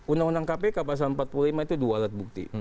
undang undang kpk pasal empat puluh lima itu dua alat bukti